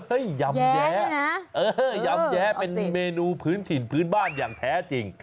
เฮ่ยยยำแยะ